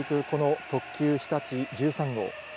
この特急ひたち１３号。